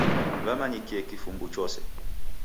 W'amanyikie kifumbu chose.